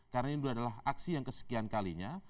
karena ini adalah aksi yang kesekian kalinya